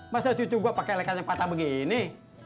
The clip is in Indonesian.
masa cucu gua pake lekar yang patah begini